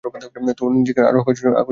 তোর নিজেকে আরও আকর্ষণীয় করে তুলতে হবে।